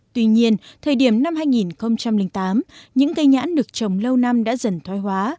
tuy nhiên thời điểm năm hai nghìn tám những cây nhãn được trồng lâu năm đã dần thoái hóa